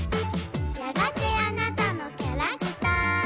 「やがてあなたのキャラクター」